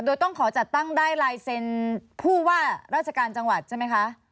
โดยต้องขอจัดตั้งได้ลายเซ็นผู้ว่าราชการจังหวัดใช่ไหมคะ